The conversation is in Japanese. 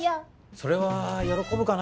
それは喜ぶかな